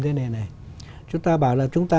thế này này chúng ta bảo là chúng ta